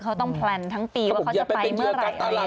เขาต้องแพลนทั้งปีว่าเขาจะไปเมื่อไหร่อะไร